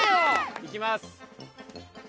行きます。